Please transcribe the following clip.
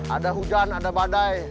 ada hujan ada badai